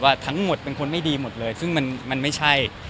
ทั้งหมดเป็นคนไม่ดีหมดเลยซึ่งมันไม่ใช่